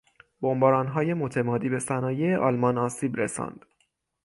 بمبارانهای متمادی به صنایع آلمان آسیب رساند.